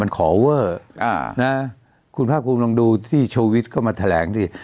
มันขอเวอร์อ่านะคุณภาคภูมิลองดูที่โชวิทย์ก็มาแถลงที่